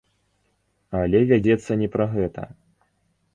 Але вядзецца не пра гэта.